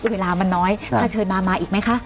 เวลามันน้อยถ้าเชิญมามาอีกไหมคะ